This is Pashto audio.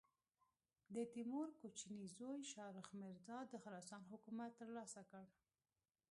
د تیمور کوچني زوی شاهرخ مرزا د خراسان حکومت تر لاسه کړ.